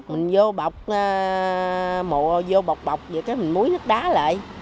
mình vô bọc mộ vô bọc bọc vậy đó mình muối thức đá lại